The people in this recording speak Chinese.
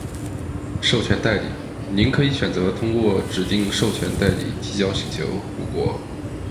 授权代理。您可以选择通过指定授权代理提交请求，如果：